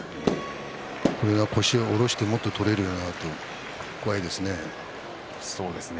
これが腰を下ろしてもっと取れるようになるとそうですね。